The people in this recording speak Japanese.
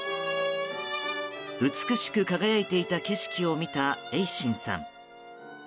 美しく輝いていた景色を見た英心さん。